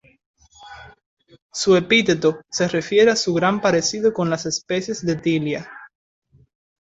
Su epíteto se refiere a su gran parecido con las especies de "Tilia".